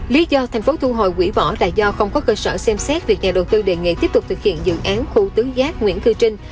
lý do tp hcm thu hồi quỹ bỏ là do không có cơ sở xem xét việc nhà đầu tư đề nghị tiếp tục thực hiện dự án khu tứ giác nguyễn cư trinh